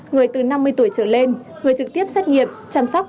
người từ năm mươi tuổi trở lên người trực tiếp xét nghiệm chăm sóc